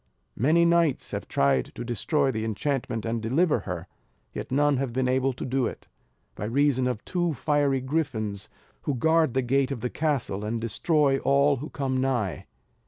Many knights have tried to destroy the enchantment, and deliver her; yet none have been able to do it, by reason of two fiery griffins who guard the gate of the castle, and destroy all who come nigh.